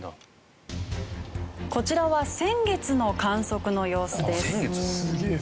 こちらは先月の観測の様子です。